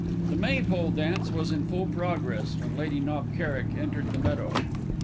The maypole dance was in full progress when Lady Knob Kerrick entered the meadow.